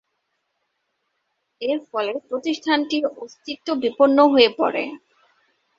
এর ফলে প্রতিষ্ঠানটির অস্তিত্ব বিপন্ন হয়ে পড়ে।